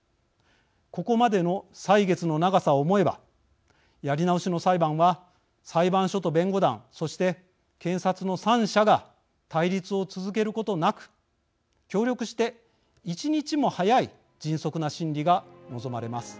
ここまでの歳月の長さを思えばやり直しの裁判は裁判所と弁護団そして、検察の３者が対立を続けることなく協力して１日も早い迅速な審理が望まれます。